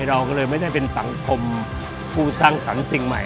เราก็เลยไม่ได้เป็นสังคมผู้สร้างสรรค์สิ่งใหม่